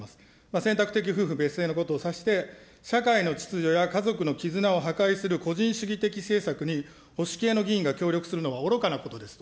選択的夫婦別性のことをさして、社会の秩序や家族の絆を破壊する個人主義的政策に、保守系の議員が協力するのは愚かなことですと。